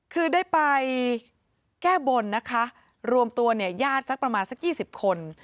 คือได้ไปแก้บ่นนะคะรวมตัวยาดประมาณสัก๒๐คน